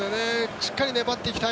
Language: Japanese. しっかり粘っていきたい。